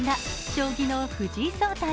将棋の藤井聡太